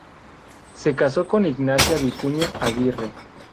Se casó con "Ignacia Vicuña Aguirre".